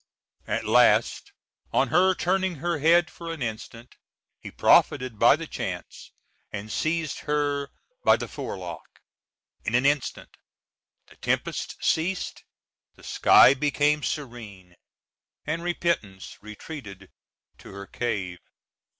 At last, on her turning her head for an instant, he profited by the chance, and seized her by the forelock. In an instant the tempest ceased, the sky became serene, and Repentance retreated to her cave.